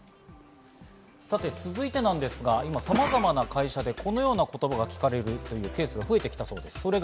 続いてなんですが、今さまざまな会社でこのような言葉が聞かれるというケースが増えてきたそうです。